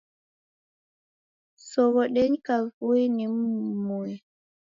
Soghodenyi kavui nimmumue.